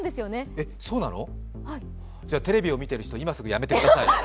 え、そうなの？じゃテレビを見てる人、今すぐやめてください。